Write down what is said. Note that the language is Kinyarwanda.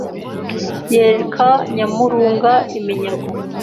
Yereka Nyamurunga iminyago